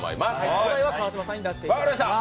お題は川島さんに出していただきます。